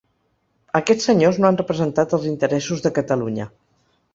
Aquests senyors no han representat els interessos de Catalunya.